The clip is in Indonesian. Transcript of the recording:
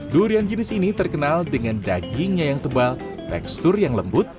durian jenis ini terkenal dengan dagingnya yang tebal tekstur yang lembut